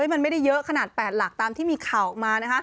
มันไม่ได้เยอะขนาด๘หลักตามที่มีข่าวออกมา